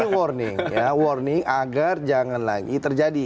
warning ya warning agar jangan lagi terjadi